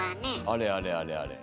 あれあれあれあれ。